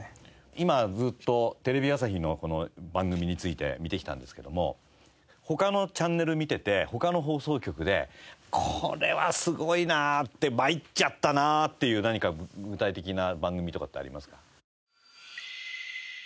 今ずっとテレビ朝日の番組について見てきたんですけども他のチャンネル見てて他の放送局でこれはすごいなって参っちゃったなっていう何か具体的な番組とかってありますか？